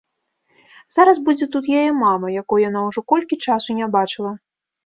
Зараз будзе тут яе мама, якой яна ўжо колькі часу не бачыла.